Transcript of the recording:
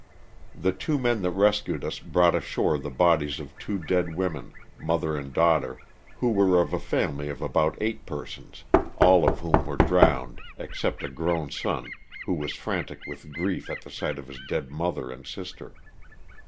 The two men that rescued us brought ashore the bodies of two dead women, mother and daughter, who were of a family of about eight persons, all of whom were drowned except a grown son who was frantic with grief at the sight of his dead mother and sister.